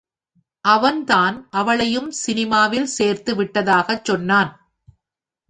அவன்தான் அவளையும் சினிமாவில் சேர்த்து விட்டதாகச் சொன்னான்.